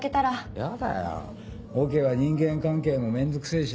ヤダよオケは人間関係も面倒くせぇしな。